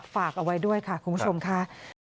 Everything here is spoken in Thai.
ฝากเอาไว้ด้วยค่ะคุณผู้ชมค่ะ